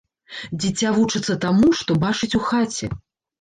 Дзіця вучыцца таму, што бачыць у хаце.